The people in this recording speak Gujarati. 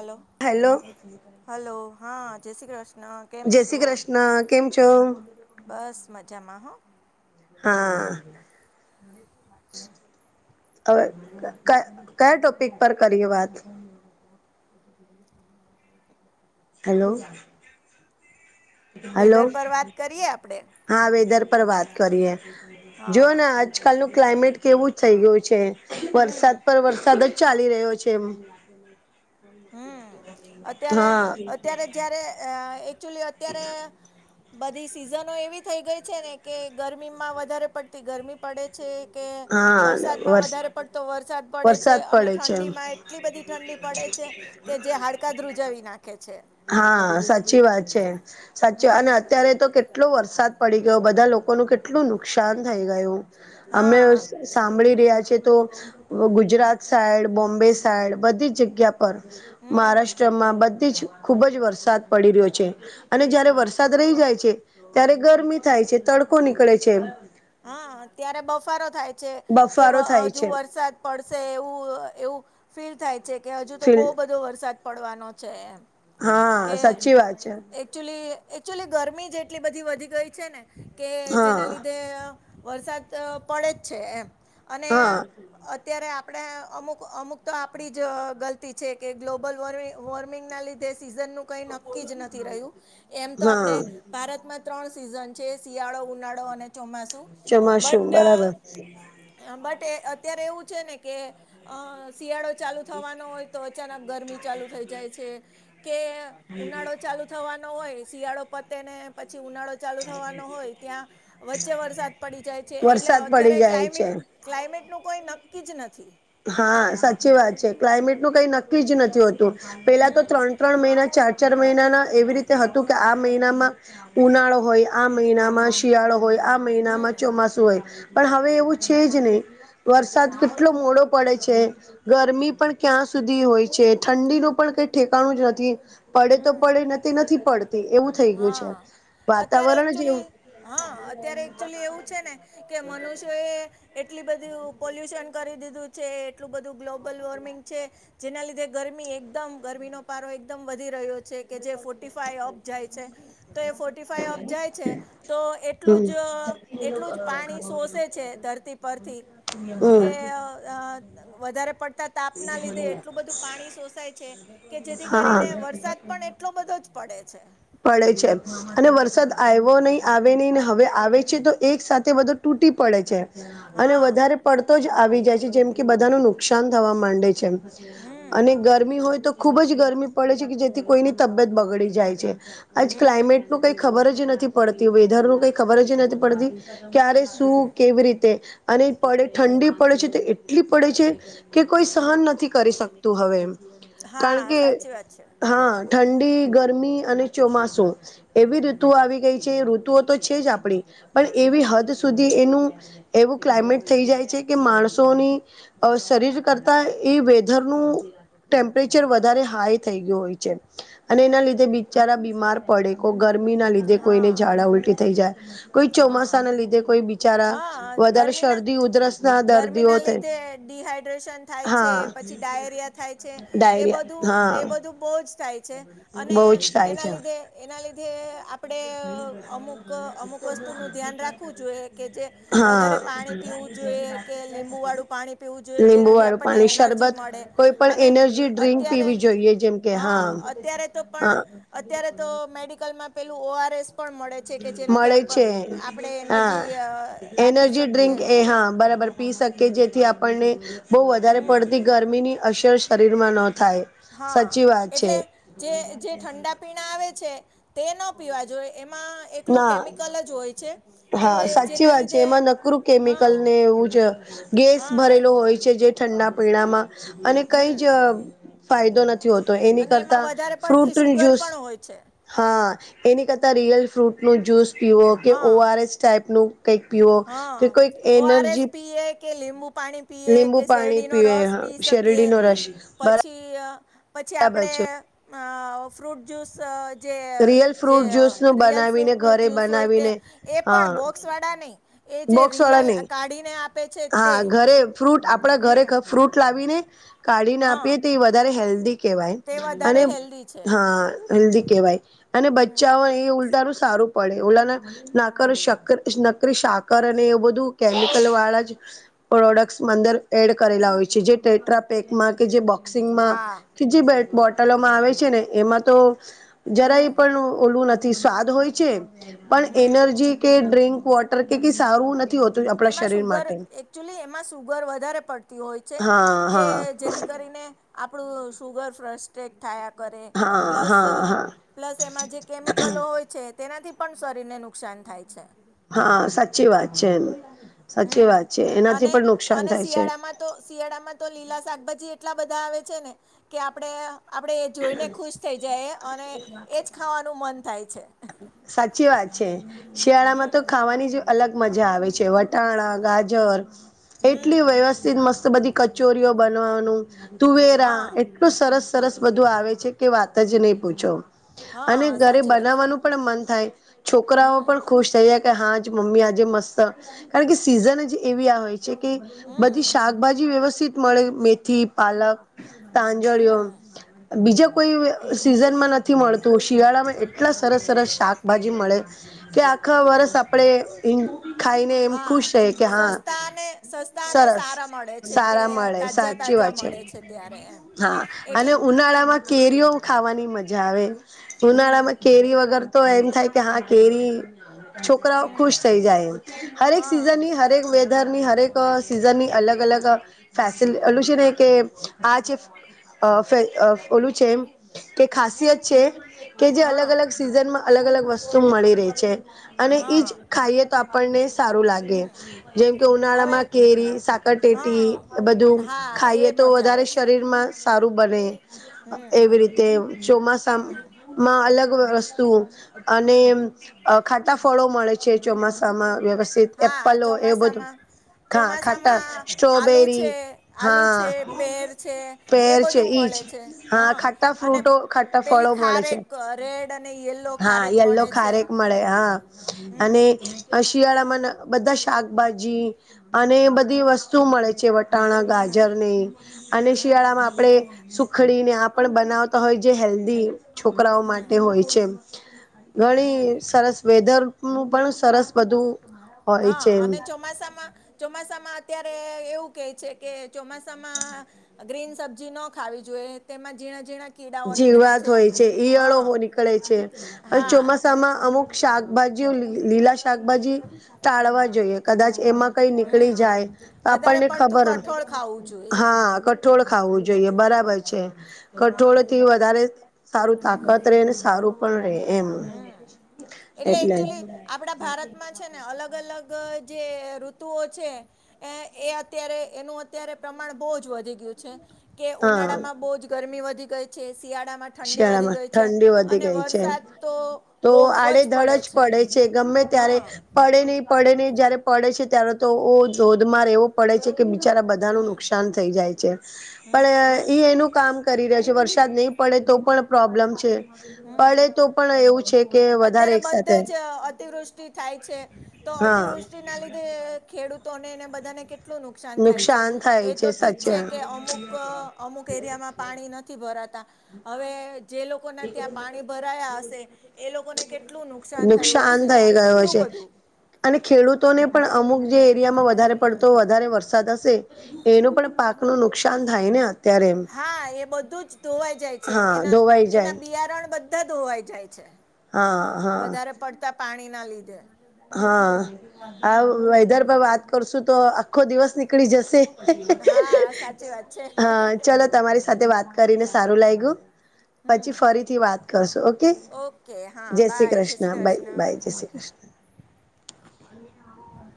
હલો હેલો હલો હા જય શ્રીકૃષ્ણ કેમ જય શ્રી છો કૃષ્ણ કેમ છો બસ મજામાં હો હા હવે કયા ટોપિક પર કરીએ વાત હલો હલો વેધર પર વાત કરીએ આપડે હા વેધર પર વાત કરીએ હા જુઓને આજકાલ નું ક્લાઇમેટ કેવું થઈ ગયુ છે હમ વરસાદ પર વરસાદ જ ચાલી રહ્યો છે એમ હમ અત્યારે હા અત્યારે જ્યારે અ એકચુલી અત્યારે બધી સિઝનો એવી થઈ ગઈ છે ને કે ગરમીમાં વધારે પડતી ગરમી પડે છે કે વરસાદમાં હા વધારે પડતો વરસાદ પડે છે વરસાદ અને પડે છે એમ ઠંડીમાંય એટલી બધી ઠંડી પડે છે કે જે હાડકા ધ્રુજાવી નાખે છે હા સાચી વાત છે સાચી અને હમ અત્યારે તો કેટલો વરસાદ પડી ગયો બધા લોકોનું કેટલું નુકસાન થઈ ગયું અમે હા સાંભળી રહ્યા છે તો ગુજરાત સાઈડ બોમ્બે સાઈડ બધી જ જગ્યા પર હમ મહારાષ્ટ્રમાં બધી જ ખૂબ જ વરસાદ પડી રહ્યો છે અને હમ જયારે વરસાદ રહી જાય છે ત્યારે ગરમી થાય છે તડકો નીકળે છે હા અત્યારે બફારો થાય છે કે બફારો થાય હજુ છે વરસાદ પડશે એવું એવું ફીલ થાય છે કે હજુ તો ફીલ બહુ બધો વરસાદ પડવાનો છે એમ હા સાચી વાત છે એકચ્યુલી એકચુલી ગરમી જ એટલી બધી વધી ગઈ છે ને કે હા જેના લીધે વરસાદ પડે જ છે એમ અને હા અત્યારે આપણે અમુક અમુક તો આપણી જ ગલતી છે કે ગ્લોબલ વોર્મિ વોર્મિંગ ના લીધે સીઝન નું કઈ નક્કી જ નથી રહ્યું એમ તો હા આપણે ભારતમાં ત્રણ સીઝન છે શિયાળો ઉનાળો અને ચોમાસું ચોમાસું બટ બરાબર બટ અત્યારે એવું છે ને કે અ શિયાળો ચાલુ થવાનો હોય તો અચાનક ગરમી ચાલુ થઈ જાય છે કે ઉનાળો ચાલુ થવાનો હોય શિયાળો પતે ને પછી ઉનાળો ચાલુ થવાનો હોય ત્યાં વચ્ચે વરસાદ પડી જાય છે એટલે વરસાદ પડી અત્યારે જાય છે ક્લાયમેટ ક્લાઇમેટનું કોઈ નક્કી જ નથી હા સાચી વાત છે ક્લાઇમેટ નું કઈ નક્કી જ નથી હોતું પેલા તો હમ ત્રણ ત્રણ મહિના ચાર ચાર મહિનાના એવી રીતે હતું કે આ મહિનામાં ઉનાળો હોય આ મહિનામાં શિયાળો હોય આ મહિનામાં હમ ચોમાસું હોય પણ હવે એવું છે જ નહી વરસાદ હમ કેટલો મોડો પડે છે ગરમી પણ ક્યાં સુધી હોય છે ઠંડીનું પણ કઈ ઠેકાણું જ નથી પડે તો હમ પડે નતી નથી પડતી એવું થઈ ગયુ છે વાતાવરણ જ એવું હ... અત્યારે એકચુલી એવું છે ને કે મનુષ્યો એ એટલુ બધું પોલ્યુશન કરી દીધું છે એટલું બધું ગ્લોબલ વોર્મિંગ છે. જેના લીધે ગરમી એકદમ ગરમીનો પારો એકદમ વધી રહ્યો છે કે જે ફોટીિફાય અપ જાય છે, તો એ ફોર્ટીિફાય અપ જાય છે... તો એટલું જ હમ એટલું જ પાણી શોષે છે ધરતી પરથી કે.. હમ અ વધારે પડતા તાપના લીધે એટલું બધું પાણી શોષાય છે કે જેથી હા કરીને વરસાદ પણ એટલો બધો જ પડે છે. પડે છે અને વરસાદ આયવો નહી આવે નહીને.. હવે આવે છે તો એક સાથે તે બધું તૂટી પડે છે અને હા વધારે પડતો જ આવી જાય છે જેમ કે બધાનું નુકસાન થવા માંડે છે હમ અને ગરમી હોય તો ખૂબ જ ગરમી પડે છે જેથી કોઈની તબિયત બગડી જાય છે. આજ હમ ક્લાઇમેટ નું કઈ ખબર જ નથી પડતી વેધર નું કઈ ખબર જ નથી પડતી. ક્યારે શું કેવી રીતે અને પડે ઠંડી પડે છે તો એટલી પડે છે કે કોઈ સહન નથી કરી શકતું હવે, કારણ હા કે... સાચી વાત છે હા ઠંડી, ગરમી અને ચોમાસું એવી ઋતુઓ આવી ગઈ છે, ઋતુઓ તો છે જ આપણી પણ એવી હમ હદ સુધી એનું એવું ક્લાયમેટ થઈ જાય છે કે માણસોની શરીર કરતા એ વેધરનું... ટેમ્પરેચર વધારે હાઈ થઈ ગયું હોય છે. અને એના હમ લીધે બિચારા બીમાર પડે કોક ગરમી ના લીધે કોઈને હા ઝાડા ઉલટી થઈ જાય કોઈ હા ચોમાસા ના લીધે કોઈ બિચારા હા વધારે ગરમીના શરદી ઉધરસ ના દર્દીઓ થ ડીહાઈડ્રેશન થાય છે પછી ડાયરિયા થાય છે એ બધું ડાયરિયા એ હા બધું બોજ થાય અને બહુ જ થાય એના છે લીધે એના લીધે આપણે અમુક અમુક વસ્તુનું ધ્યાન રાખવું જોઈએ કે જે વધારે હા પાણી પીવું જોઈએ કે લીંબુ વાળું પાણી પીવું જોઈએ લીંબુ જેનાથી વાળું આપણને પાણી એનર્જી શરબત મળે કોઈ પણ અને એનર્જી ડ્રિંક અત્યારે... પીવી જોઈએ જેમ કે હા અત અત્યારે તો પણ હા અત્યારે તો મેડિકલમાં પેલું ઓ આર એસ પણ મળે છે કે જેનાથી મળે આ છે હા... રાખી એનર્જી શકીએ ડ્રીંક એ હા બરાબર પી શકીએ જેથી આપણને બોવ વધારે હમ પડતી ગરમીની અસર શરીરમાં ન થાય. હા સાચી વાત છે એટલે જે જે ઠંડા પીણા આવે છે તે ન પીવા જોઈએ એમાં એકલું ના... કેમિકલ જ હોય છે હા કે સાચી જેના વાત છે લીધે એમાં નકરું હા કેમિકલ ને એવું જ ગેસ હા ભરેલો હોય છે જે ઠંડા પીણામાં અને કંઈ હમ જ... અ ફાયદો નથી હોતો. એની અને એમાં કરતા વધારે ફ્રૂટ પડતી નું શુગર જ્યુસ પણ હોય છે હા એની કરતાં રિયલ ફ્રૂટનું જ્યુસ પીવો કે ઓ હા આર એસ ટાઈપનું કંઈક પીવો કે હા કઈક ઓઆરએસ એનર્જી પીએ કે લીંબુ પાણી પીએ લીંબુ કે પાણી શેરડીનો પીવે રસ પી શકીએ... શેરડીનો રસ બરા પછી અ પછી બરાબર આપડે છે અ અ... ફ્રૂટ જ્યુસ અ જે અ રિયલ જે ફ્રૂટ જ્યુસ અ નું રિયલ બનાવીને ફ્રૂટનું ઘરે જ્યુસ હોય તે બનાવીને એ પણ હા બોક્સવાળા નહીં. એ જે બોક્સ વાળા રિયલ નહી... કાઢીને આપે છે તે હા ઘરે ફ્રૂટ આપણા ઘરે હમ ફ્રૂટ લાવીને કાઢીને હા આપીએ તો એ વધારે હેલ્ધી કહેવાય તે અને... વધારે હેલ્ધી છે હા હેલ્ધી કહેવાય અને બચ્ચાઓ એ ઉલટાનું સારું પડે ઓલાના નાકર સાક્કર નકલી સાકર અને એવું બધું કેમિકલ વાળા જ પ્રોડક્ટસ માં અંદર એડ કરેલા હોય છે જે ટ્રેટ્રા પેકમાં કે જે બો બક્સિંગમાં હા કે જે બોટલોમાં આવે છે ને એમાં તો હમ જરાય પણ ઓલું નથી. સ્વાદ હોય છે, પણ હમ એનર્જી કે ડ્રિંક વોટર કે કઈ સારું નથી હોતું. આપણા એમાં શરીર સુુગર માટે એકચુલી એમાં સુુગર વધારે પડતી હોય છે. હા કે હા જેથી કરીને આપણું શુગર ફ્રસ્ટેડ થયાં કરે હા પ્લસ હા હા પ્લસ એમાં જે કેમિકલો હોય છે, તેનાથી પણ શરીરને નુકસાન થાય છે. હા સાચી વાત છે, સાચી હમ વાત છે, એનાથી અને પણ નુકસાન અને થાય છે. શિયાળામાં તો શિયાળામાં તો લીલા શાકભાજી એટલા બધા આવે છે, ને કે આપણે આપણે એ જોઈને ખુશ થઈ જાયે અને એ જ ખાવાનું મન થાય છે. સાચી વાત છે, શિયાળામાં તો ખાવાની જ અલગ મજા આવે છે, વટાણા, ગાજર એટલી વ્યવસ્થિત મસ બધી કચોરીઓ બનવાનું તુવેરા હા એટલું સરસ સરસ બધું આવે છે, કે વાત જ નહી પૂછો હા અને ઘરે સાચી વાત છે બનાવવાનું પણ મન થાય છોકરાઓ પણ ખુશ થઈ જાય કે હા જ મમ્મી આજે મસ્ત કારણ કે સિઝન જ એવી આ હોય છે, કે બધી શાકભાજી વ્યવસ્થિત મળે મેથી, પાલક તાંજોળિયો બીજા કોઈ સીઝનમાં ન થી મળતું શિયાળામાં એટલા સરસ સરસ શાકભાજી મળે કે આખા વર્ષ આપણે એ ખાઈને એમ ખુશ હા રહે કે હા સસ્તા અને સસ્તા અને સરસ સારા મળે છે કે સારા મળે તાજા સાચી તાજા વાત છે, મળે ત્યારે એમ હા અને એટલે ઉ નાળામાં કેરીઓ ખાવાની મજા આવે હમ, ઉનાળામાં કેરી વગર તો એમ થાય કે હા કેરી છોકરાઓ ખુશ થઈ જાય હર એક હા સીઝનની હર એક વે દરની હર એક સિઝનની અલગ અલગ ફેસલ એટલું છે, ને કે આ છે. અ ફે અ ઓલું છે, એમ કે ખાસિયત છે. કે જે હા અલગ અલગ સિઝનમાં અલગ અલગ વસ્તુ મળી રેય છે, અને ઈજ હા ખાઈએ તો આપણને સારું લાગે જેમ કે હવે ઉનાળામાં કેરી, સાક ટેટી હા બધું હા એ ખાઈએ તો મજા વધારે આવે છે શરીરમાં સારું બને હમ એવી રીતે ચોમાસા માં અલગ વસ્તુ અને અ ખાટા ફળો મળે છે, ચોમાસામાં વ્યવસ સ્થિત હા એપલો એવું બધું ચોમાસામાં ખા ખાંટા ચોમાસામાં આલુ સ્ટ્રોબેરી છે આલુ હા છે પેર છે એ શેર છે, બધું મળે ઈજ છે હા ખાટા અને ફ્રૂટો ખાટા ફળો પેલી મળે છે. ખારેક રેડ અને યલો હા ખારેક યેલો મળે છે ખારેક મળે હા હમ અને શિયાળામાં બધા શાકભાજી અને બધી વસ તુ મળે છે, વટાણા, ગાજરને અને શિયાળામાં આપણે શુ સુખડીને આ પણ બનાવતા હોય જે હેલ્ધી છોકરાઓ માટે હોય છે. ઘણી સરસ વેધરનું પણ સરસ બધું હોય હા છે એમ અને ચોમાસામા ચોમાસામાં અત્યારે એવું કેય છે, કે ચોમાસામાં ગ્રીન સબ્જી ન ખાવી જોઈએ તેમાં ઝીણા ઝીણા કીડાઓ નીકળે જીવાત હોય છે, ઈયળો હા નીકળે છે, અને હા ચોમા સામાં અમુક શાકભાજીઓ લીલા શાકભાજી ટાળવા જોઈએ કદાચ એમાં કઈ હમ નીકળી જાય તો વધારે આપણને પડતું ખબર કઠોળ ખાવું જોઈએ હા ક ઠોળ ખાવું જોઈએ બરાબર છે, કઠોળ થી વધારે સારું તાકાત રે ને સારું પણ રે એમ એટલે એકચ્યુલી આપણા ભારતમાં છે, ને અલગ અલગ જે ઋતુઓ છે. એ એ અત્યારે એનું અત્યારે પ્રમાણ બહુ જ વધી ગયું છે કે હા ઉનાળા માં બહુ જ ગરમી વધી ગઈ છે શિયાળામાં ઠંડી વધી શિયાળામાં ગઈ છે ઠંડી વધી અને ગઈ છે વરસાદ - તો તો બહુ જ આડેધડ પડે છે ગમે ત્યારે હા પડે નહી પડે નહી જયારે પડે છે ત્યારે તો ઓ ધોધમાર એવું પડે છે. કે બિચારા બધા નું નુકસાન થ થઈ જાય છે. હમ પણ એ એનું કામ કરી રહ્યો છે. વરસાદ નહી પડે તો પણ પ્રોબ્લેમ છે. પડે તો પણ એવું છે કે વધારે અત્યારે એક બધે સાથે જ અ અતિવૃષ્ટિ થાય છે. તો હા અતિવૃષ્ટિ ના લીધે ખેડૂતોને ને બધાને કેટલું નુ નુકસાન થાય છે. એ તો ઠીક છે કે અમુક અમુક એરિયામાં પાણી નથી ભરાતા હવે જે લોકોના ત્યાં પાણી ભરાયા હશે એ લોકોને કેટલું નુકસાન થયું હશે. થઈ ગયો કેટલું છે બધું અને ખેડૂતોને પણ અમુક જે એરિયામાં વધારે પડતો વધારે વરસાદ હશે એનું પણ પાક નું નુકસાન થાય ને અત્યારે હા એ બધું જ ધોવાઈ જાય છે. હા એના ધોવાઈ જાય એના બિયારણ બધા ધોવાઈ જાય છે. હા હા વધારે પડતા પાણી ના લીધે હા આ વેધર પર વાત કરશું તો આખો દિવસ નીકળી જશે. હા સાચી વાત છે. હા ચલો તમારી સાથે વાત કરીને સારુ લાગ્યું. પછી ફરીથી વાત કરશો ઓકે. જય શ્રી કૃષ્ણ બાય બાય જય શ્રી કૃષ્ણ [inaudible]